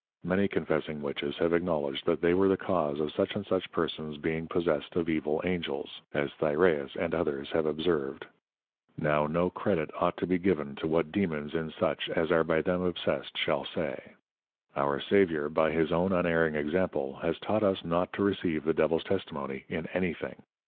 Many confessing Witches have acknowledged, that they were the Cause of such and such Persons being possessed of evil Angels, as Thyræus and others have observed: Now no Credit ought to be given to what Dæmons in such as are by them obsessed shall say. Our Saviour by his own unerring Example has taught us not to receive the Devil's Testimony in any thing.